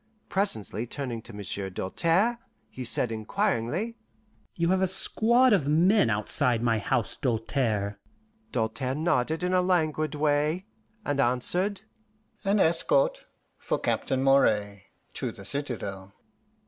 Presently turning to Monsieur Doltaire, he said inquiringly, "You have a squad of men outside my house, Doltaire?" Doltaire nodded in a languid way, and answered, "An escort for Captain Moray to the citadel."